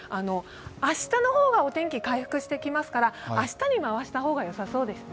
明日の方がお天気回復してきますから、明日に回した方がよさそうですね。